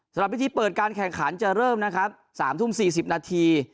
สำหรับพิธีเปิดการแข่งขันจะเริ่มนะครับ๓ทุ่ม๔๐นาที